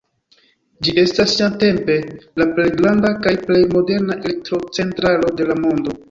Ĝi estis siatempe la plej granda kaj plej moderna elektrocentralo de la mondo.